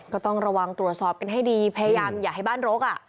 ก็ต้องระวังตรวจสอบกันให้ดีพยายามอย่าให้บ้านรก